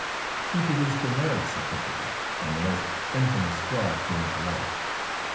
She produced her marriage certificate, when the most infamous fraud came to light.